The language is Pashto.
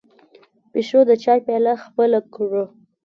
پيشو د چای پياله خپله کړه.